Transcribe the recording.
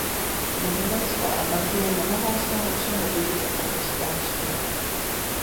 Nizozemsko a Belgie nemohou z toho všeho vyjít jako prosťáčci.